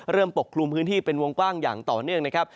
ปกคลุมพื้นที่เป็นวงกว้างอย่างต่อเนื่องนะครับ